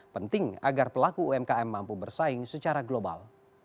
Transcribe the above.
penting agar pelaku umkm mampu bersaing secara global